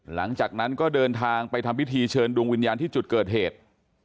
หลังจากนั้นก็เดินทางไปทำพิธีเชิญดวงวิญญาณที่จุดเกิดเหตุ